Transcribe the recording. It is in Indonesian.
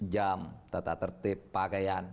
jam tata tertib pakaian